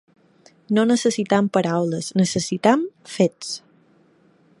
No necessitem paraules, necessitem fets.